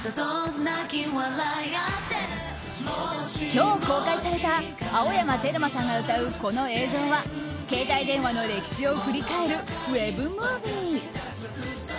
今日公開された青山テルマさんが歌うこの映像は携帯電話の歴史を振り返るウェブムービー。